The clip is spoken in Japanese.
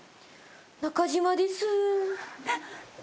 中島です。